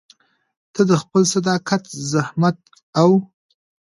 ته د خپل صداقت، زحمت او